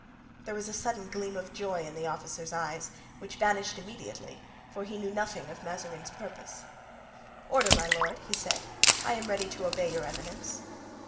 There was a sudden gleam of joy in the officer's eyes, which vanished immediately, for he knew nothing of Mazarin's purpose. "Order, my lord," he said; "I am ready to obey your eminence."